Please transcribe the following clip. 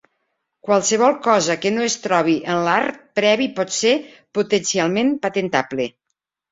Qualsevol cosa que no es trobi en l'art previ pot ser potencialment patentable.